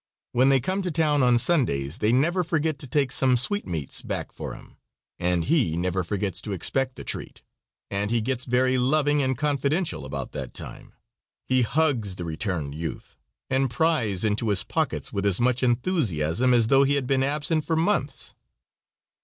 When they come to town on Sundays they never forget to take some sweetmeats back for him; and he never forgets to expect the treat, and he gets very loving and confidential about that time. He hugs the returned youth, and pries into his pockets with as much enthusiasm as though he had been absent for months.